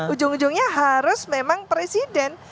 ujung ujungnya harus memang presiden